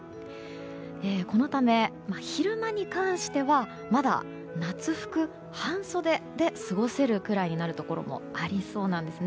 このため、昼間に関してはまだ夏服、半袖で過ごせるくらいになるところもありそうなんです。